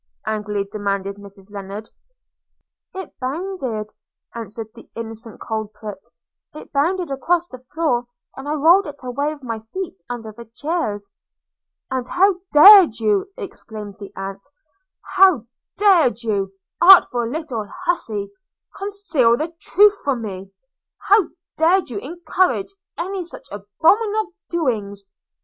angrily demanded Mrs Lennard. 'It bounded,' answered the innocent culprit, 'it bounded across the floor, and I rolled it away with my feet, under the chairs.' 'And how dared you,' exclaimed the aunt, 'how dared you, artful little hussey, conceal the truth from me? how dared you encourage any such abominable doings?